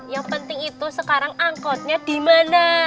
yang penting itu sekarang angkotnya dimana